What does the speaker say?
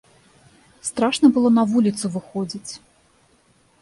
Страшна было на вуліцу выходзіць.